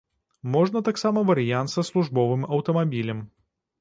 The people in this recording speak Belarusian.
Можна таксама варыянт са службовым аўтамабілем.